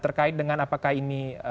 terkait dengan apakah ini